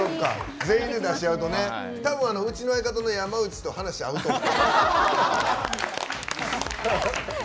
うちの相方の山内と話、合うと思う。